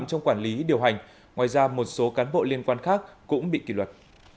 để đồng ý điều hành ngoài ra một số cán bộ liên quan khác cũng bị kỷ luật